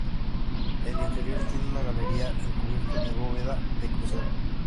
El inferior tiene una galería con cubierta de bóveda de crucero.